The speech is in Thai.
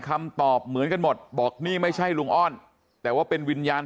คำตอบเหมือนกันหมดบอกนี่ไม่ใช่ลุงอ้อนแต่ว่าเป็นวิญญาณ